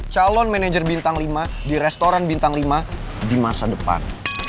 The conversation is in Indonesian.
calon manajer bintang lima di restoran bintang lima di masa depan